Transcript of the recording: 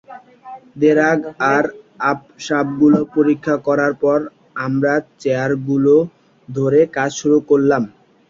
দেরাজ আর আসবাবগুলো পরীক্ষা করার পর আমরা চেয়ারগুলো ধরে কাজ শুরু করলাম।